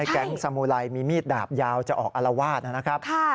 แก๊งค์สัมมุไรมีมีดดาบยาวจะออกอลวาด